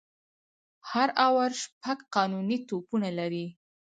هر آور شپږ قانوني توپونه لري.